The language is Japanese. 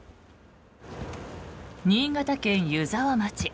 新潟県湯沢町。